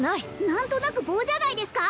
何となく棒じゃないですか？